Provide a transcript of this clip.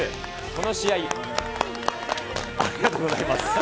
この試合、ありがとうございます。